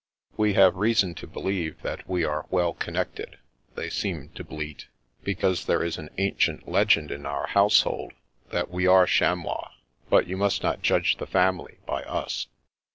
" We have reason to believe that we are well connected," they seemed to bleat, " because there is an ancient leg end in our household that we are chamois, but you must not judge the family by us."